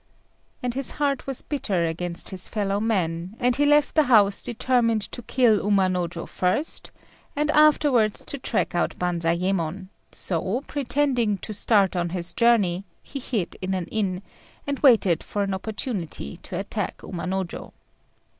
And his heart was bitter against his fellow men, and he left the house determined to kill Umanojô first and afterwards to track out Banzayémon; so, pretending to start on his journey, he hid in an inn, and waited for an opportunity to attack Umanojô.